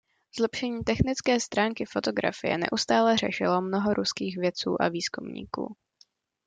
Zlepšení technické stránky fotografie neustále řešilo mnoho ruských vědců a výzkumníků.